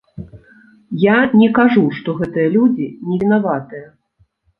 Я не кажу, што гэтыя людзі невінаватыя.